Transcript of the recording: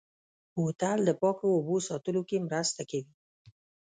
بوتل د پاکو اوبو ساتلو کې مرسته کوي.